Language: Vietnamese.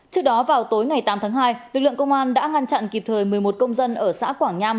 trước đó vào tối ngày tám tháng hai lực lượng công an đã ngăn chặn kịp thời một mươi một công dân ở xã quảng nham